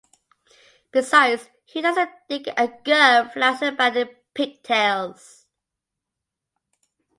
Besides, who doesn't dig a girl flouncing about in pigtails?